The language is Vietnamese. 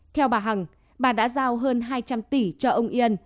theo bà hằng bà đã giao hơn hai trăm linh tỷ cho ông yên